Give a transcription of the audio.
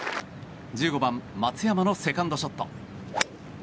１５番、松山のセカンドショット。